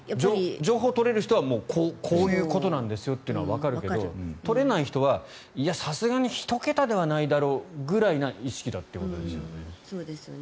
情報を取れる人はこういうことなんでしょうということはわかるんだけど取れない人はさすがに１桁ではないだろうくらいの意識だということですよね。